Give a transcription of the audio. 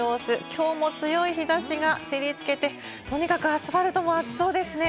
きょうも強い日差しが照り付けて、とにかくアスファルトも暑そうですね。